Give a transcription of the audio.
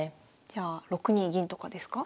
じゃあ６二銀とかですか？